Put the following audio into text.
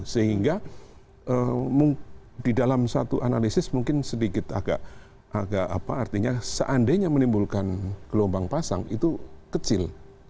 sehingga di dalam satu analisis mungkin sedikit agak apa artinya seandainya menimbulkan gelombang pasang itu kecil